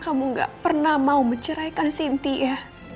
kamu gak pernah mau menceraikan sinti ya